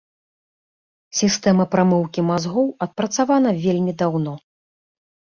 Сістэма прамыўкі мазгоў адпрацавана вельмі даўно.